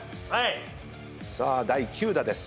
第９打です。